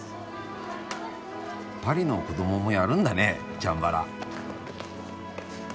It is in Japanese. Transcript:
パリの子どももやるんだねチャンバラ。